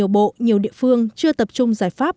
bộ nhiều địa phương chưa tập trung giải pháp